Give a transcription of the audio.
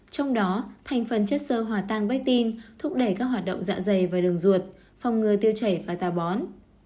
trong đó thành phần chất sơ hòa tăng bách tin thúc đẩy các hoạt động dạ dày và đường ruột phòng ngừa tiêu chảy và tà bón